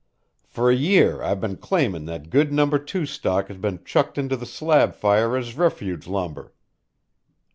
For a year I've been claimin' that good No. 2 stock has been chucked into the slab fire as refuge lumber."